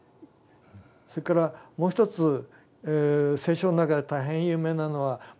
それからもう一つ聖書の中で大変有名なのは迷える羊でしょ。